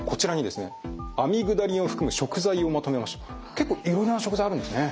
結構いろいろな食材あるんですね。